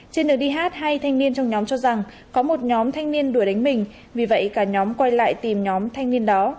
trên đường đi hát hai thanh niên trong nhóm cho rằng có một nhóm thanh niên đuổi đánh mình vì vậy cả nhóm quay lại tìm nhóm thanh niên đó